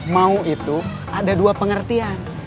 mau itu ada dua pengertian